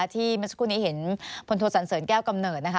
ที่มริสุกรุณีเห็นพลโศกษันเสริญแก้วกำเนิดนะคะ